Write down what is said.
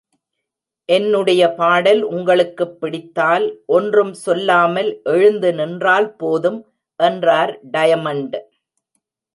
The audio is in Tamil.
என்னுடைய பாடல் உங்களுக்குப் பிடித்தால், ஒன்றும் சொல்லாமல் எழுந்து நின்றால் போதும் என்றார் டயமண்ட்.